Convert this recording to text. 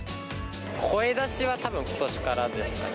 声出しはたぶんことしからですかね。